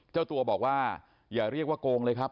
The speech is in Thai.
เจ้าตัวบอกว่าอย่าเรียกว่าโกงเลยครับ